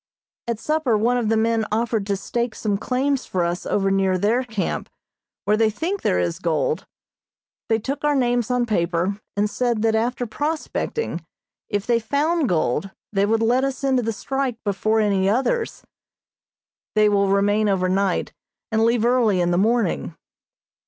At supper one of the men offered to stake some claims for us over near their camp, where they think there is gold. They took our names on paper, and said that after prospecting, if they found gold, they would let us into the strike before any others. They will remain over night, and leave early in the morning.